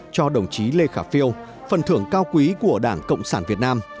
cho đồng chí lê khả phiêu phần thưởng cao quý của đảng cộng sản việt nam